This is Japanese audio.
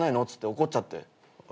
っつって怒っちゃって。